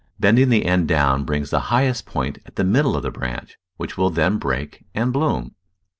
Bending the end down brings the highest point at the middle of the branch, which will then break and bloom.